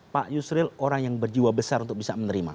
pak yusril orang yang berjiwa besar untuk bisa menerima